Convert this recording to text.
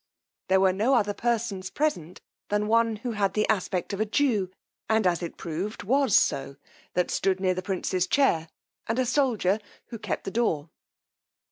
There were no other persons present than one who had the aspect of a jew, and as it proved was so, that stood near the prince's chair, and a soldier who kept the door.